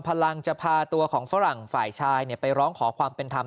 พลังจะพาตัวของฝรั่งฝ่ายชายไปร้องขอความเป็นธรรม